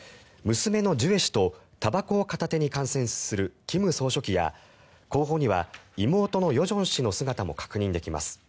娘のジュエ氏とたばこを片手に観戦する金総書記や後方には妹の与正氏の姿も確認できます。